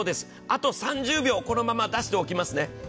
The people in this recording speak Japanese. あと３０秒このまま出しておきますね。